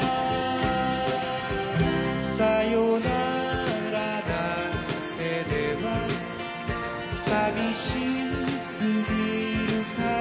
「さよならだけではさびしすぎるから」